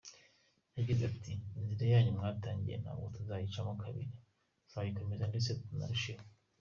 Yagize ati “Inzira yanyu mwatangiye ntabwo tuzayicamo kabiri, tuzayikomeza ndetse tunarusheho.